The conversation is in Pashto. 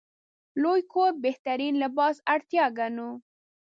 لوی کور بهترین لباس اړتیا ګڼو.